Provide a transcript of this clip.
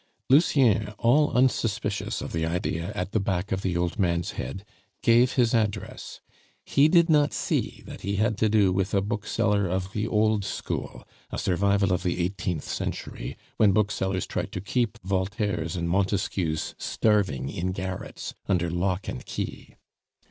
Lucien, all unsuspicious of the idea at the back of the old man's head, gave his address; he did not see that he had to do with a bookseller of the old school, a survival of the eighteenth century, when booksellers tried to keep Voltaires and Montesquieus starving in garrets under lock and key.